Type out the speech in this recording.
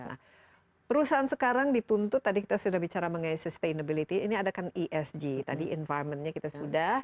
nah perusahaan sekarang dituntut tadi kita sudah bicara tentang sustainability ini adakan esg tadi environmentnya kita sudah